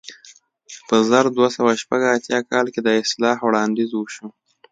په زر دوه سوه شپږ اتیا کال کې د اصلاح وړاندیز وشو.